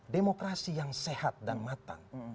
demokrasi yang sehat dan matang